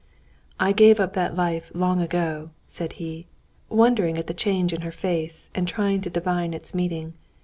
"I gave that life up long ago," said he, wondering at the change in her face, and trying to divine its meaning.